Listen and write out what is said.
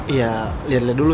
iya liat liat dulu